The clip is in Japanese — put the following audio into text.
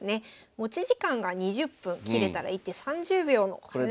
持ち時間が２０分切れたら一手３０秒の早指し戦となります。